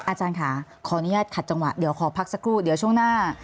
อาจารย์ค่ะขออนุญาตขัดจังหวะเดี๋ยวขอพักสักครู่เดี๋ยวช่วงหน้า